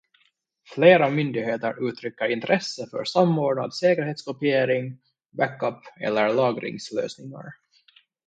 Flera myndigheter uttrycker intresse för samordnad säkerhetskopiering, backup- eller lagringslösningar.